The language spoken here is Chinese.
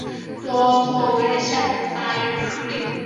多做为下杂鱼处理。